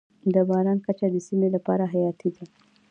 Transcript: د باران کچه د سیمې لپاره حیاتي ده.